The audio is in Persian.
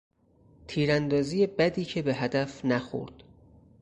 تیراندازی بدی که به هدف نخورد